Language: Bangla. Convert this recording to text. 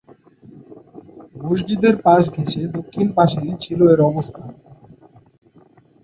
মসজিদের পাশ ঘেঁষে দক্ষিণ পাশেই ছিল এর অবস্থান।